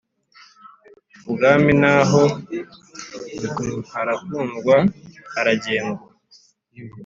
Ibwami na ho harakundwa haragendwa.